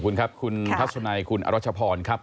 คุณครับคุณทัศนัยคุณอรัชพรครับ